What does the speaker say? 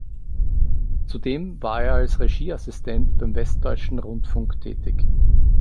Zudem war er als Regieassistent beim "Westdeutschen Rundfunk" tätig.